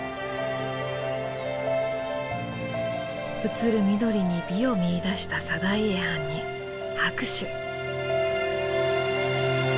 映る緑に美を見いだした定家はんに拍手！